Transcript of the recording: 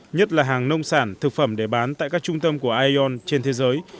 nhất là hàng nông sản thực phẩm để bán tại các trung tâm của ion trên thế giới